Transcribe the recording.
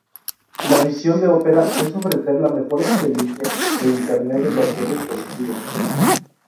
La visión de Opera es "ofrecer la mejor experiencia de Internet en cualquier dispositivo".